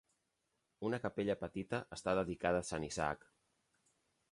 Una capella petita està dedicada a Sant Isaac.